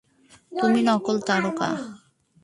তুমি নকল তারকা।